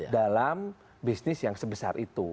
dalam bisnis yang sebesar itu